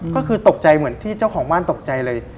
ก็คือตกใจเหมือนที่เจ้าของบ้านตกใจเลย